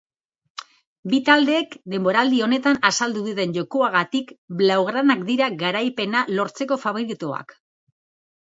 Bi taldeek denboraldi honetan azaldu duten jokoagatik, blaugranak dira garaipena lortzeko faboritoak.